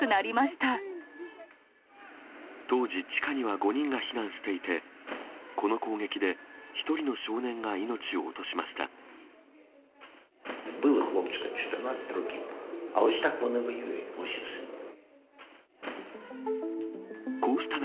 当時、地下には５人が避難していて、この攻撃で１人の少年が命を落としました。